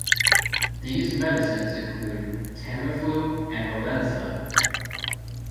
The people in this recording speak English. These medicines include Tamiflu and Relenza.